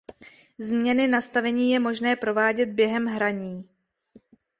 Změny nastavení je možné provádět během hraní.